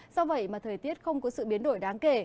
do vậy mà thời tiết không có sự biến đổi đáng kể